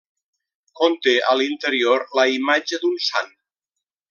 Conté a l'interior la imatge d'un Sant.